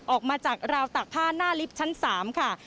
ออกมาจากราวตากผ้าหน้าลิฟท์ชั้น๓ค่ะ